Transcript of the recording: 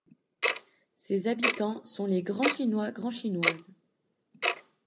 Ses habitants sont les Grandchinois, Grandchinoises.